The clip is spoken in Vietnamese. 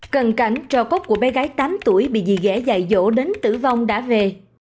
cần cảnh trò cốt của bé gái tám tuổi bị dì ghẻ dạy dỗ đến tử vong đã về